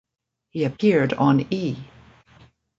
He appeared on E!